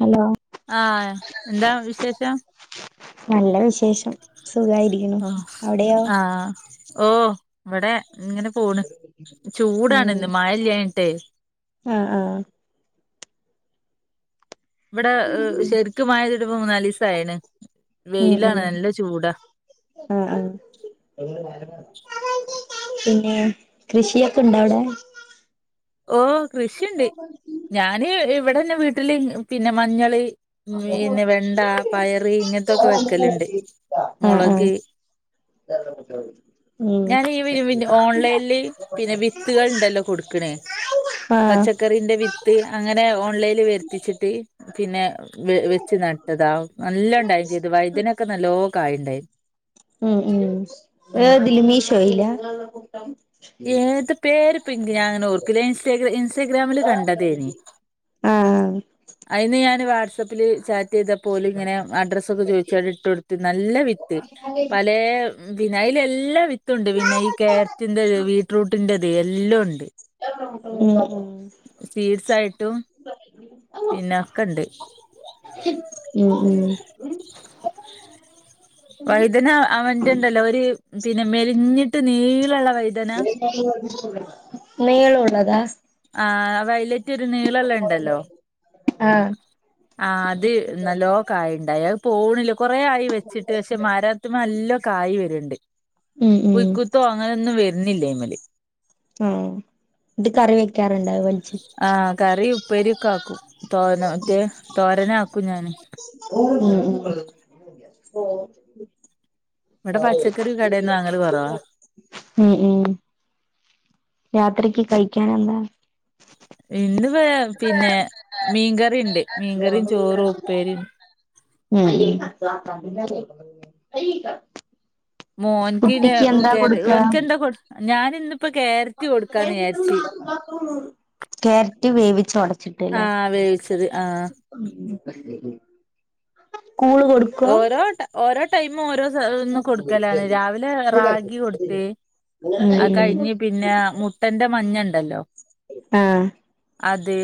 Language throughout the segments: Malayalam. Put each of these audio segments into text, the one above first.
ഹലോ ആഹ് എന്താ വിശേഷം നല്ല വിശേഷം സുഖായിരിക്കുണു ഓ അവിടെയൊ ആഹ് ഓഹ് ഇവിടെ ഇങ്ങനെ പോണ് ചൂടാണ് ഇന്ന് മഴ ഇല്ലായ്ഞ്ഞിട്ടെ അഹ് ആഹ് ഇവിടെ ശരിക്കും മഴയിതിട്ട് ഇപ്പൊ മൂന്നാലീസായ്ണ് വെയിലാണ് നല്ല ചൂടാ അഹ് ആഹ് പിന്നെ കൃഷിയൊക്കെ ഉണ്ടോ അവിടെ ഓഹ് കൃഷിയുണ്ട് ഞാന് ഇവിടെന്നെ വീട്ടില് പിന്നെ മഞ്ഞള് പിന്നെ വെണ്ട, പയറ് ഇങ്ങൻത്തൊക്കെ വെക്കല്ണ്ട് ആഹ് ആഹ് മൊളക് [inaudible] ഞാൻ ഈ [unintelligible] ഓൺലൈനില് പിന്നെ വിത്തുകൾ ഉണ്ടല്ലോ കൊടുക്ക്ണേ ആഹ് പച്ചക്കറിന്റെ വിത്ത് അങ്ങനെ ഓൺലൈനിൽ വരുത്തിച്ചിട്ട് പിന്നെ വെ വെച്ച് നട്ടതാ നല്ല ഉണ്ടായും ചെയ്ത് വൈദനൊക്കെ നല്ലോം കായിണ്ടായി ഉം ഉം [unintelligible] മീഷോയിലാ എത്തെ പേര് പ്പൊ ഇങ്ക് ഞാൻ അങ്ങനെ ഓർക്കില ഇൻസ്റ്റ ഇൻസ്റ്റാഗ്രാമില് കണ്ടതേനി ആഹ് അയിന്ന് ഞാന് വാട്സ ആപ്പില് ച ചെയ്തപ്പോ ഓലിങ്ങനെ അഡ്രസൊക്കെ ചോയിച്ചണ്ട് ഇട്ട് കൊടുത്ത് നല്ല വിത്ത് പലേ പിന്നെ അയ്ലെല്ലാ വിത്തുണ്ട് പിന്നെ ഈ ക്യാരറ്റിന്റെത്, ബീട്റൂട്ടിന്റെത് എല്ലോം ണ്ട് ഉം ഉം ഫീസായിട്ടും പിന്നെ അക്കെ ഇണ്ട് ഉം ഉം വൈദന അഹ് മറ്റെ ഇണ്ടല്ലോ ഒര് പിന്നെ മെൽഞ്ഞിട്ട് നീളള്ളെ നീളുള്ളതാ ആഹ് വൈലെറ്റൊരു നീളെള്ളത് ഇണ്ടല്ലോ ആഹ് ആഹ് അത് നല്ലോം കായിണ്ടായി അത് പോണില്ല കൊറെ ആയി വെച്ചിട്ട് പക്ഷെ മാരത്ത്മേ നല്ലോം കായി വര്ണ്ട് ഉം ഉം പുഴുക്കു ത്തോ അങ്ങനെന്നും വരുന്നില്ല ഐമല് ആഹ് ഇത് കറി വെക്കാറുണ്ടാ അത് വൽച്ച് ആഹ് കറി, ഉപ്പേരി, ഒക്കെ ആക്കും തോനോ റ്റേ തോരനാക്കും ഞാന് ഉം ഉം ഇവടെ പച്ചക്കറി കടെന്ന് വാങ്ങല് കൊറവാ ഉം ഉം രാത്രിക്ക് കഴിക്കാന് എന്താ? ഇന്ന് വേ പിന്നെ മീൻകറിണ്ട് മീൻകറിം, ചോറും, ഉപ്പേരിം ഉം ഉം മോൻക്ക് നെ കേരെ കൊടുക്ക ഓൻക്ക് എന്താ കൊ ഞാനിന്ന് [inaudible] ക്യാരറ്റ് വേവിച്ച് ഒടച്ചിട്ട് ലെ ആഹ് വേവിച്ചത് ആഹ് [unintelligible] ഓരോട ഓരോ ടൈമും ഓരോ [unintelligible] കൊടുക്കലാലെ രാവിലെ റാഗി കൊടുത്ത് ഉം അ ഉം കഴിഞ്ഞ് പിന്നെ മുട്ടന്റെ മഞ്ഞണ്ടല്ലോ ആഹ് അതെ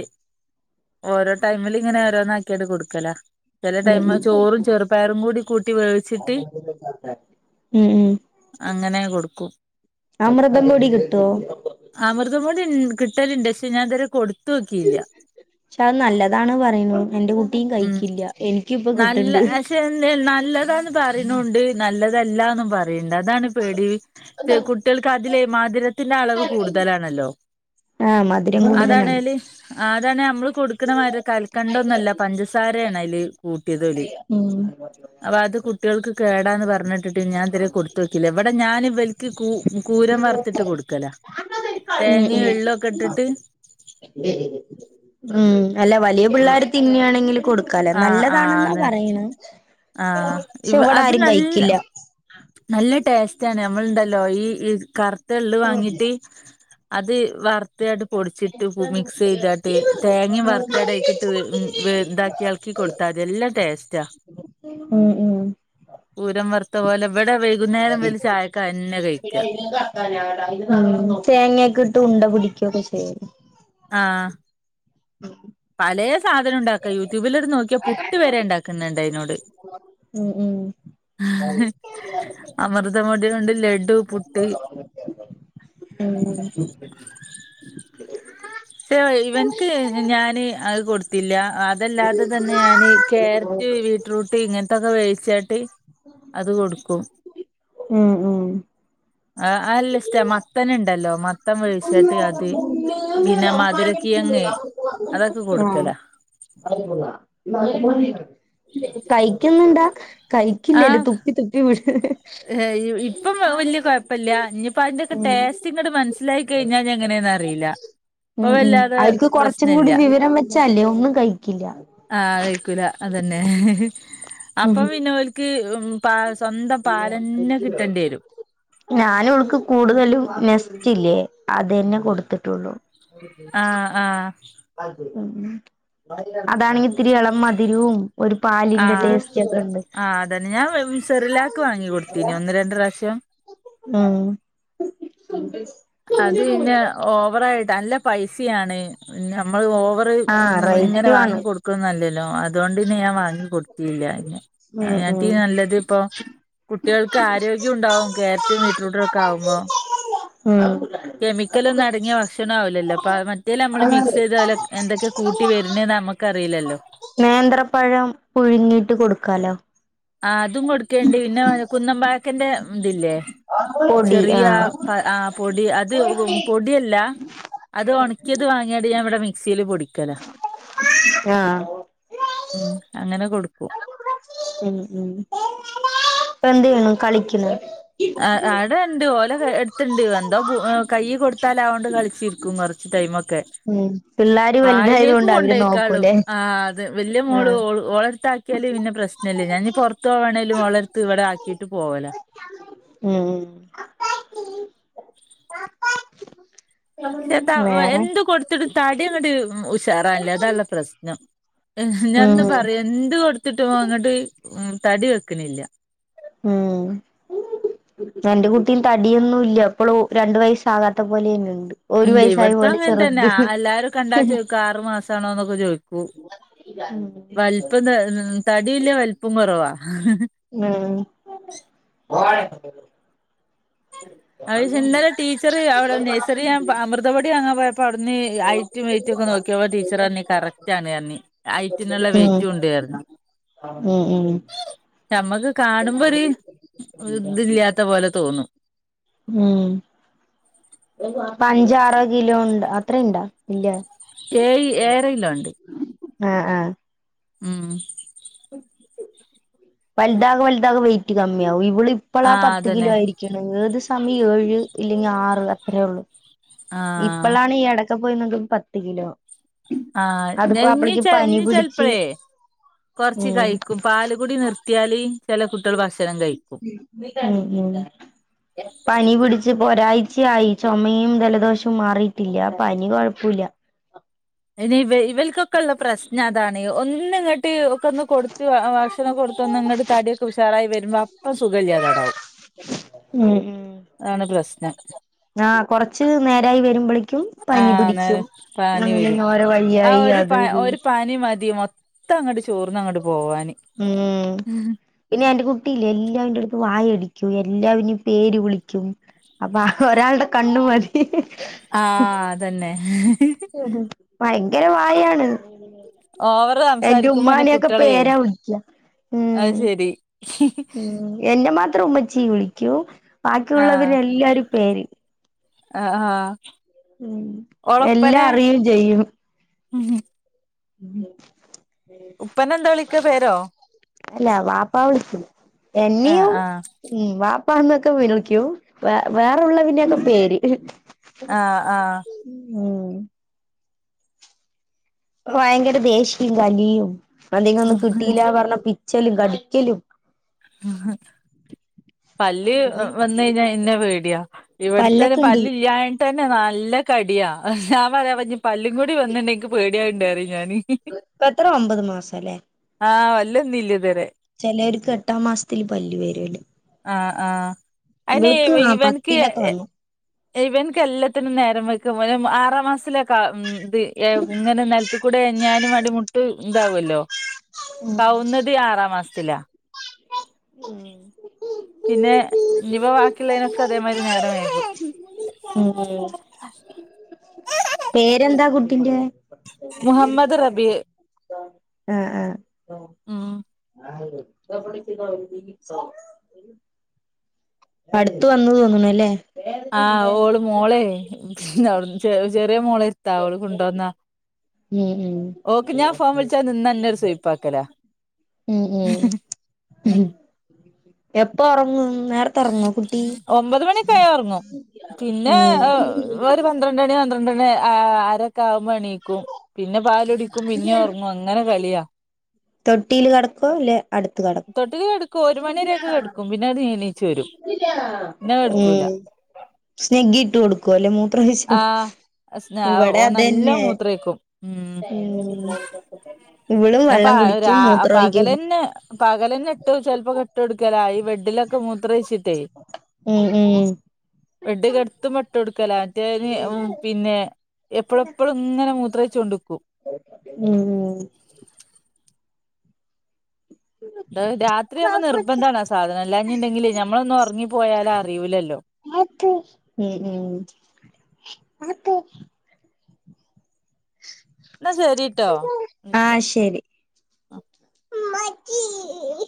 ഓരോ ടൈമില് ഇങ്ങനെ ഓരോന്ന ആക്ക്യണ്ട് കൊടുക്കല ചെല ടൈം ഉം ചോറും ചെറുപ്പയറും കൂടി കൂട്ടി വേവിച്ചിട്ട് ഉം ഉം അങ്ങനെ കൊടുക്കും അമൃദ പൊടി കിട്ടോ? അമൃതം പൊടി കിട്ടല്ണ്ട് പക്ഷെ ഞാൻ ഇതുവരെ കൊടുതോക്കില്ല പക്ഷെ അത് നല്ലതാണ് പറയും എന്റെ കുട്ടിയും കഴിക്കില്ല എനിക്ക് ഇപ്പൊ കിട്ട്ണ്ട് തന്നെ നല്ലതാന്ന് പറിണുണ്ട് നല്ലതല്ലാന്നും പറിണ്ട് അതാണ് പേടി കുട്ടികൾക്ക് അതിലേ മധുരത്തിന്റെ അളവ് കൂടുതലാണല്ലോ? ആഹ് മധുരം കൂടുതലാ ആഹ് അതാണ് നമ്മള് കൊടുക്കുന്ന മാതിരി കൽക്കണ്ടം ഒന്നുല്ല പഞ്ചസാരെണ് അയ്ല് കൂട്ടിയത് ഓല് ഉം അപ്പൊ അത് കുട്ടികൾക്ക് കേടാന്ന് പർഞ്ഞെട്ടിട്ട് ഞാൻ ഇത് വരെ കൊടുത്ത് നോക്കില്ല ഇവടെ ഞാന് ഇവര് ക്ക് കൂ കൂരം വർത്തിട്ട് കൊടുക്കല ഉം തേങ്ങയും, ഉം എള്ളോക്കെ ഇട്ടിട്ട് ഉം അല്ല വലിയ പിള്ളാര് ത്തിന്നാണെങ്കിലും ആഹ് ആഹ് അതെ ആഹ് പക്ഷെ ഇവ ഇവിടെ അത് ആരും നല്ല കഴിക്കില്ല നല്ല ടേസ്റ്റ ആണ് നമ്മള് ഇണ്ടല്ലോ ഈ ഈ കറുത്ത എള്ള് വാങ്ങിട്ട് അത് വർ [unintelligible] പൊടിച്ചിട്ട് മിക്സ് ചെയ്താട്ട് തേങ്ങയും വർത്താണ്ട് അയ്ക്ക്ട്ട് വേ വേ എളക്കി കൊടുത്താതി നല്ല ടേസ്റ്റാ ഉം ഉം കൂരം വറുത്ത പോലെ ഇവിടെ വൈകുന്നേരം ഇവല് ചായക്കതന്നെ കഴിക്ക ഉം തേങ്ങയൊക്കെ ഇട്ട് ഉണ്ട പിടിക്കൊക്കെ ചെയ്യല്ലേ ആഹ് പലയ സാധനം ഉണ്ടാക്ക യൂട്യൂബിലട് നോക്കിയാ പുട്ട് വരെ ഉണ്ടാക്കുന്നുണ്ട് അതിനോട് ഉം അമൃതം പൊടി കൊണ്ട് ലഡു പുട്ട് ഉം കോ ഇവനക്ക് ഞാന് അത് കൊടുത്തില്ല അ അതല്ലാതെ തന്നെ ഞാന് ക്യാരറ്റ് ബീറ്റ്റൂട്ട് ഇങ്ങനത്തെൊക്കെ വേവിച്ചട്ട് അത് കൊടുക്കും ഉം ഉം അ അത് ല്ല ഇഷ്ട്ട മത്തന്ണ്ടല്ലോ പിന്നെ മധുരക്കിഴങ്ങ് അതൊക്കെ കൊടുക്കല ആഹ് കയ്ക്കുന്ന്ണ്ടാ കയ്ക്കില്ലല്ലോ ആഹ് തുപ്പി തുപ്പി വിട ഇപ്പം ഉം ക്കിങ്ങട്ട് മനസ്സിലായി കഴിഞ്ഞാ ഞെങ്ങനേന്നറിയില്ല ഉം ഉം അവിരിക്ക് കൊറ്ച്ചും കൂടി വിവരം വെച്ചാല്ലേ ഒന്നും കഴിക്കില്ല ആഹ് അയിക്കൂല അതന്നെ ഉം അപ്പം പിന്നോൽക്ക് ഉം പാ സ്വന്തം പാലന്നെ കിട്ടണ്ടിയേരും ഞാനോൾക്ക് കൂടുതലും നെസ്റ്റ്ല്ലേ അതെന്നെ കൊടുത്തിട്ടുള്ളു ആഹ് ആഹ് ഉം അതാണെങ്കിത്തിരി എളം മധുരവും ഒരു പാലിന്റെ ആഹ് ടേസ്റ്റ് ഒക്കെ ഉണ്ട് ആഹ് അതന്നെ ഞാൻ വെ സെറിലാക്ക് വാങ്ങി കൊടുത്തീനി ഒന്ന് രണ്ട് പ്രാശ്യം ഉം അത് പിന്നെ ഓവറായിട്ട് അല്ല പൈസിയാണ് നമ്മള് ഓവ റ് ആഹ് ഇങ്ങനെ റേറ്റും ആണ് വാങ്ങി കൊടുക്ക്ണന്നല്ലല്ലോ അതോണ്ടിന്നെ ഞാൻ വാങ്ങി കൊടു ത്തില്ലാന്നെ ഉം അയ്‌നാട്ടീ ഉം നല്ലത് ഇപ്പൊ കുട്ടികൾക്ക് ആരോഗ്യം ഉണ്ടാവും ക്യാരറ്റും ബീറ്റ്രൂട്ടൊക്ക ആവുമ്പോ ആഹ് കെമിക്കലൊന്നടങ്ങിയ ഭക്ഷണാവുല്ലല്ലോ പ മറ്റേല് നമ്മള് മിക്സെയ്തോല് എന്തൊക്കെ കൂട്ടി വരുന്നേന്ന് നമു ക്കറിയില്ലല്ലോ നേന്ത്രപ്പഴം പുഴുങ്ങിട്ട് കൊടുക്കാലോ ആഹ് അതും കൊടുക്കല്ണ്ട് പിന്നെ കുന്നം വായക്കന്റെ ഇതില്ലേ പൊടി ചെറിയ ആഹ് പ ആഹ് പൊടി അത് പൊടിയല്ല അത് ഒണക്കിയത് വാങ്ങിയാട് ഞാവ്ടെ മിക്സീല് പൊടിക്കല ആഹ് ഉം അങ്ങനെ കൊടുക്കും ഉം ഉം ഇപ്പെന്തെയ്‌ണു കളിക്കുന്ന് അഅവ്ടെണ്ട് ഓല എട്ത്തുണ്ട് എന്തോ പോ ഏഹ് കയ്യ് കൊടുത്താൽ അഓണ്ട് കളിച്ചിരിക്കും കൊറച്ച് ടൈമൊക്കെ ഉം പിള്ളാര് വലുതായത് വായിലേക്ക് കൊണ്ട് അവര് കൊണ്ടോയിക്കാളും നോക്കൂലേ ആത് വല്ലി മോള് ആഹ് ഓള് ഓളട്ത്താക്കി ക്കിയാലും പിന്നെ പ്രശ്നല്ലേ ഞാൻഞ്ഞ് പൊറ്ത്ത് പോവാണേലും ഓളട്ത്ത് ഇവിടാക്കീട്ട് പോവല ഉം ചെത്താ വെ വേറെ എന്ത് കൊട് ത്ട്ട് തടി അങ്ങട്ട് ഉഷാറാല്ല അതാള്ളെ പ്രശ്നം ഉം ഞാൻന്ന് പറയ് എന്ത് കൊട് ത്തിട്ട് ഓ അങ്ങട്ട് തടി വെക്ക്ണില്ല ഉം നന്റെ കുട്ടീം തടിയൊന്നു ഇല്ല ഇപ്പളു രണ്ടു വയസ് ആകാത്ത പോലെയെന്നെ ഇണ്ട്. ഇല്ലെയ് ഇവെട്ത്തും അങ്ങൻ തെന്നാ അല്ലാരും കണ്ടാ ചോ ക്കാറ് മാസാണോന്നൊക്കെ ചോയിക്കും. വൽപ്പംന്ന് [unintelligible] തടിം ഇല്ല വൽപ്പം കൊറവാ. ഉം അഹ് പക്ഷെ ഇന്നലെ ടീച്ചറ് അവ്ടെ നെയ്‌സറി ഞാം അമൃത പൊടി വാങ്ങാ പോയ പ്പം അയുട്ന്ന് ഹെറ്റും വൈറ്റൊക്കെ നോക്കിയപ്പോ ടീച്ചെർ പർൺ കറക്റ്റാണ് പർൺ. ഹെെറ്റിനുള്ള വെെയിറ്റുണ്ട് പർൺ. ആ ഉം ഉം ഞമ്മക്ക് കാണുമ്പൊരു ഇത് ഇല്ലാത്ത പോലെ തോന്നും. ഉം അപ്പം അഞ്ച ആറോ കിലോ ഇണ്ടാ അത്രേം ഇണ്ടാ? ഇല്ലാ ഏയ് ഏഴര കിലോണ്ട്. ആഹ് ആഹ് ഉം വൽതാക് വൽതാക് വെയിറ്റ് കമ്മിയാവും ഇവൾ ആ ഇപ്പളാ പത്ത് കിലോ അതന്നെ ആയിരി ക്ക്ണ് ഏത് സമയും ഏഴ് ഇല്ലെങ്കി ആറ് അത്രേ ഒള്ളു ആ ഇപ്പളാണി എടക്ക പോയിന്നെത് പത്ത് കിലോ ആഹ് ഞാ അതിപ്പോ ഇഞ്ഞ് അവളിക്ക് ചെൽ പനി പിടിച്ച് ചെൽപ്പളെയ് കൊർച്ച് ഉം കഴ്ക്കും പാലുകുടി നിർത്തിയാല് ചെലെ കുട്ടിയെൾ ഭക്ഷണം കഴിക്കും [unintelligible] പനി പിടിച്ച് ഇപ്പൊ ഒരാഴ്ച്ച ആയി ചൊമയും ജലദോഷും മാറിയിട്ടില്ല പനി കൊഴപ്പൂല്ലാ അയ്ന് ഇവ ഇവൽക്കൊക്കെയുള്ള പ്രശ്നം അതാണ് ഒന്നങ്ങ ട്ട് ഒക്കെയൊന്ന് കൊടുത്ത് ഭക്ഷണം കൊടുത്തൊന്ന് ഒന്നങ്ങട്ട് തടിയൊക്കെ ഉഷാറായി വരുമ്പോ അപ്പം സുഖമില്ലാതാടാവും ഉം ഉം പ്രശ്നം ആഹ് കൊറച്ച് നേരായി വരുമ്പളെക്കും പനി ആഹ് പിടിക്കും നേരെ പനി വരും [unintelligible] ആ പനിയായി ഒരു പ അത് ഇത് ഒരു പനി മതി മൊത്തം അങ്ങട്ട് ചോർന്നങ്ങട്ട് പോവാന് ഉം പിന്നെ എന്റെ കുട്ടിയില്ലേ എല്ലാവരുടെടെയും അടുത്ത് വായ അടിക്കും എല്ലാവരെയും പേര് വിളിക്കും അപ്പൊ ഒരാളുടെ കണ്ണ് മതി ആഹ് അത് തന്നെ ഭയങ്കര വായാണ് അങ്ങനെയായി ഓവറ് എന്റെ സംസാരിക്കുമ്പോന്നെ ഉമ്മാനെയൊക്കെ കുട്ടികളെ പേരാ വിളിക്കുക അത് ഉം ശരി ഉം എന്നെ മാത്രം ഉമ്മച്ചീ വിളിക്കും ബാക്കിയുള്ളവരെ ആഹ് എല്ലാരെയും പേര് ആഹ് ആഹ് ഉം എല്ലാ ഓളപ്പനെ അറിയുവേയും ചെയ്യും ഉപ്പനെന്താ വിളിക്ക പേരോ അല്ല വാപ്പാ വിളിക്കില്ല ആഹ് എന്നെയും ആഹ് ഉം വാപ്പാന്നൊക്കെ വിളിക്കും വേ വേറെ ഉള്ളതിന്റെ ഒക്കെ പേര് ആഹ്, ആഹ്. ഉം. ഭയങ്കര ദേഷ്യം കലിയും അതികൊന്നും കിട്ടിയില്ല പറഞ്ഞ പിച്ചലും കടിക്കലും. [unintelligible] പല്ല് അങ്ങനെ വന്നയ്ഞ്ഞാ ഇന്നെ പേടിയാ ഇവിട്ട്ത്തൊരു പല്ലൊക്കെ ഉണ്ട് പല്ലില്ലാ ത്തന്നെ നല്ല കടിയാ ഞമ്പറയാ പ്പഞ്ഞി പല്ലും കൂടി വന്നിണ്ടെക്ക് പേടിയാക്ണ്ടറയും ഞാന്. ഇപ്പ എത്ര ഒമ്പത് മാസം ആഹ് പല്ല് വന്നീലത് വരെ. ചേലോർക്കെട്ടാം മാസ്ത്തില് പല്ല് വരോല്ലോ. ആഹ്, ആഹ് അയിന് ഇവ ആ ഇവൻക്ക്. പത്തിലൊക്കെ വന്നു ഇവൻകെല്ലത്തിനും നേരം വെഗ്ഗും ഇവന് ആറാം മാസത്തില. ക്ക ത് ഏഹ് ങ്ങനെ നെൽത്ത്കൂടെ എയഞാനും അടിമുട്ട് താവല്ലോ. ഉം കൗന്നതി ആറാമ്മാസത്തില. [unintelligible] പിന്നെ ഇഞ്ഞിപ്പൊ വാക്കില്ലിനൊക്കെ അതേമാരി നേരം വെയ്കും. ഉം, ഉം. പേരെന്താ കുട്ടിന്റെ? മുഹമ്മദ് റബി ആഹ്, ആഹ്. ഉം [unintelligible] അടുത്ത് വന്നു തോന്നുണുല്ലേ. ആഹ് ഓള് മോളെ ഓള് ചെറിയ മോളെ എട്ത്താ ഓള് കൊണ്ടുവന്നതാ. ഉം ഉം ഓക്ക് ഞാൻ ഫോം വിളിച്ചാ നിന്നാ ന്നെരു സുയ്പ്പാക്കലാ. ഉം, ഉം. എപ്പൊ ഒറങ്ങും നേർ ഒമ്പത് മണിക്കായാ ഒറ്ങ്ങു. പിന്നെ ഉം അ ര് പന്ത്രണ്ടണി, പന്ത്രണ്ടണി ആ അരൊക്കാവുമ്പോ എണീക്കും. പിന്നെ പാലുടിക്കും പിന്നിം ഒറങ്ങും അങ്ങനെ കളിയാ. തൊട്ടീല് കടക്കോ ല്ലെ? തൊട്ടില് കട്ക്കും ഒരു മണിരേക്കെ കട്ക്കും പിന്നങ്ങട് എണി ഉം സ്നിഗ്ഗിട്ട് കൊടുക്കു അല്ലെ മൂത്രയ്ച്ചാല്. ആഹ് സ്നാ വ്ടെ ഓൻ നല്ല അതെന്നെ മൂത്രൊഴിക്കും ഉം ഉം. ഇവളും വെള്ളം ഞപ്പാഅ് കുടിക്കും രാ മൂത്രൊഴിക്കും പകലന്നെ. പകലന്നെട്ട് ചെൽപ്പൊക്കിട്ടൊടുക്കല ഈ ബെഡിലൊക്കെ മൂത്രയ്ച്ചി ഉം, ഉം ബെഡ്ഡ്കെടുത്തുമ്പ ഇട്ടൊടുക്കല മെറ്റേന് പിന്നെ. എപ്പെളെപ്പളുങ്ങനെ മൂത്രയ്ച്ചോണ്ട്ക്കും. ഉം, ഉം. ട് രാത്രിയാവുമ്പോ നിർബന്ധാണ് ആ രാത്രിയാവുമ്പ നിർബന്താണ് ആ സാധനം. അല്ലാഞ്ഞിണ്ടെങ്കില് ഞമ്മളൊന്നൊറ്ങ്ങിപ്പോയാലറിയുല്ലല്ലോ. ഉം, ഉം. എന്നാ ശരിട്ടോ വിളിക്കാ ആഹ് ശരി. ആ